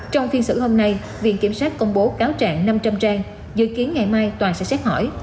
trong phiên xử hôm nay viện kiểm sát công bố cáo trạng năm trăm linh trang dự kiến ngày mai tòa sẽ xét hỏi